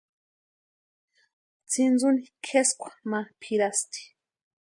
Tsintsuni kʼeskwa ma pʼirasti.